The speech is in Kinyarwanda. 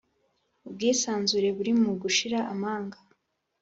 ubwisanzure buri mu gushira amanga.